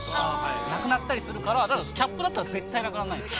なくなったりするから、キャップだったら絶対なくならないです。